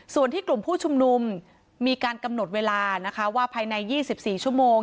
ส่วนที่กลุ่มผู้ชุมนุมมีการกำหนดเวลานะคะว่าภายใน๒๔ชั่วโมง